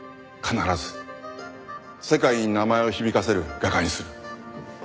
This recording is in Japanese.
必ず世界に名前を響かせる画家にする。